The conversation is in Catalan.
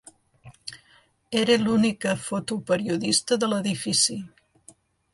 Era l'única fotoperiodista de l'edifici.